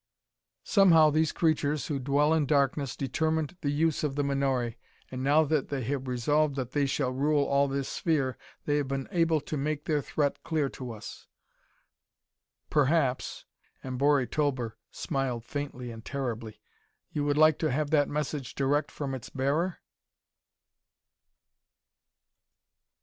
"Somehow, these creatures who dwell in darkness determined the use of the menore, and now that they have resolved that they shall rule all this sphere, they have been able to make their threat clear to us. Perhaps" and Bori Tulber smiled faintly and terribly "you would like to have that message direct from its bearer?"